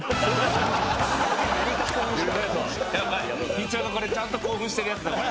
みちおがこれちゃんと興奮してるやつだこれ。